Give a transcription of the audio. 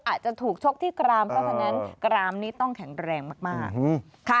อาจจะถูกชกที่กรามเพราะฉะนั้นกรามนี้ต้องแข็งแรงมาก